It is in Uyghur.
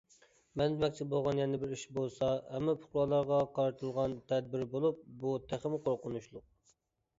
مەن دېمەكچى بولغان يەنە بىر ئىش بولسا ھەممە پۇقرالارغا قارىتىلغان تەدبىر بولۇپ، بۇ تېخىمۇ قورقۇنچلۇق.